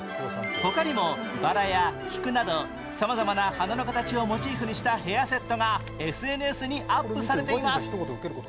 他にもバラや菊などさまざまな花の形をモチーフにしたヘアセットがＳＮＳにアップされています。